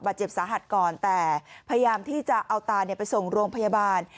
เจ็บสาหัสก่อนแต่พยายามที่จะเอาตาไปส่งโรงพยาบาล